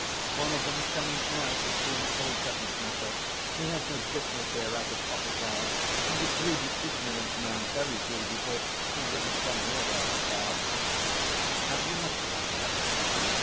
One of them's coming now to see me. Oh, it doesn't matter. He has no business here out of office hours. He's a greedy, ignorant man—very greedy or—he wouldn't come here after dark." "Have you much land then?"